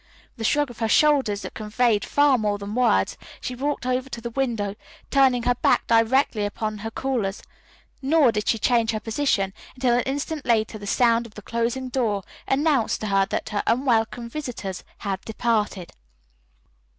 With a shrug of her shoulders that conveyed far more than words, she walked over to the window, turning her back directly upon her callers, nor did she change her position until an instant later the sound of the closing door announced to her that her unwelcome visitors had departed.